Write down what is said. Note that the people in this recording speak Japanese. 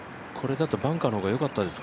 これだとバンカーの方がよかったですか。